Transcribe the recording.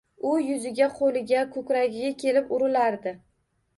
U yuziga qo‘liga ko‘kragiga kelib urilardi.